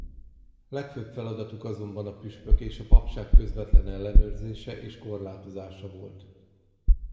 Legfőbb feladatuk azonban a püspök és a papság közvetlen ellenőrzése és korlátozása volt.